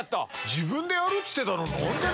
自分でやるっつってたのに。